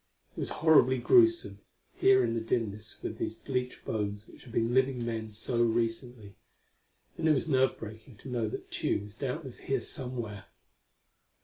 It was horribly gruesome, here in the dimness with these bleached bones which had been living men so recently. And it was nerve breaking to know that Tugh was doubtless here somewhere.